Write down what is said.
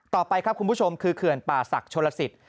ต่อไปครับคุณผู้ชมคือเขื่อนป่าศักดิ์ชนลสิต